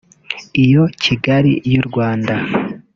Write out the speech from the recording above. Iyo Kigali y’u Rwanda